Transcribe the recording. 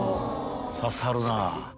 刺さるなぁ。